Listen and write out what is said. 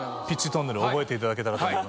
ピッチトンネル覚えていただけたらと。